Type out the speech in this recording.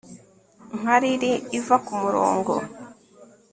Nka lili iva kumurongo